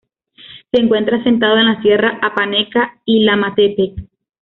Se encuentra asentada en la Sierra Apaneca-Ilamatepec.